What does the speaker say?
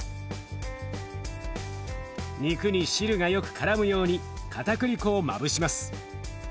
肉に汁がよくからむようにかたくり粉をまぶします。